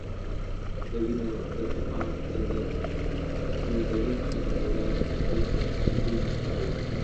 د وینو د توپان زړه رېږدونکې انګولا د تهدید پر نیلۍ سپره وه.